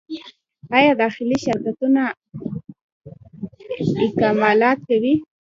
آیا داخلي شرکتونه اکمالات کوي؟